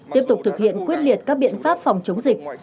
tiếp tục thực hiện quyết liệt các biện pháp phòng chống dịch